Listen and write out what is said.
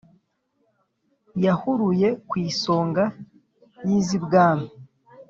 yahuruye ku isonga y’iz’ibwami